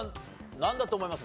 誰だと思います？